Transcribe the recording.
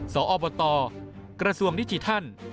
ที่ยังมีถึงว่าอศอคนิจฉีทรรม